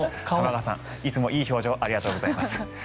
玉川さん、いつもいい表情ありがとうございます。